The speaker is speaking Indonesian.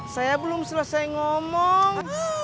saya belum selesai ngomong